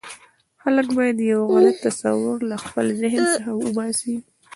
خلک باید یو غلط تصور له خپل ذهن څخه وباسي.